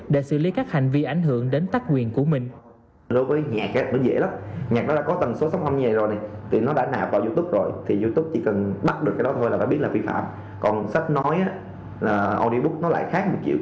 để xử lý các hành vi ảnh hưởng đến tác quyền của mình